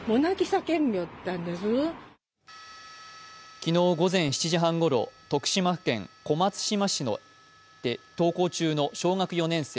昨日午前７時半ごろ、徳島県小松島市で登校中の小学４年生